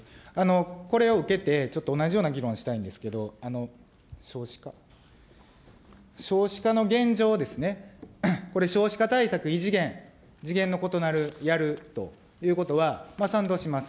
これを受けて、ちょっと同じような議論をしたいんですけど、少子化の現状、これ、少子化対策、異次元、次元の異なる、やるということは賛同します。